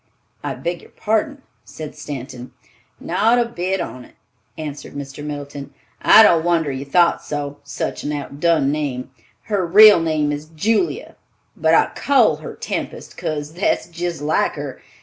"I beg your pardon," said Stanton. "Not a bit on't," answered Mr. Middleton. "I don't wonder you thought so, such an oudun name! Her real name is Julia, but I call her Tempest, 'case that's jist like her.